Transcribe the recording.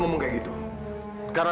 aku harus bisa ke sana